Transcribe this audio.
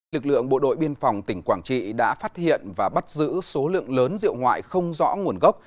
lực lượng bộ đội biên phòng tỉnh quảng trị đã phát hiện và bắt giữ số lượng lớn rượu ngoại không rõ nguồn gốc